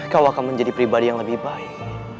kau akan menjadi pribadi yang lebih baik